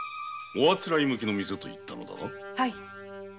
おあつらえ向きの店と言ったのだな？